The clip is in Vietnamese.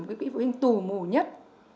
cái quỹ phụ huynh tù mổ nhất